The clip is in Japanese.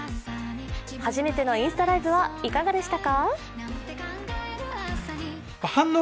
初めてのインスタライブはいかがでしたか？